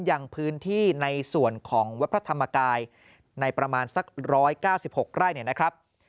ยังพื้นที่ในส่วนของวัดพระธรรมกายในประมาณสัก๑๙๖ไร่เนี่ยนะครับ